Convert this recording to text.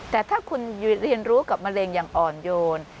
แต่ถ้าคุณเรียนรู้กับมะเร็งอย่างอ่อนโยน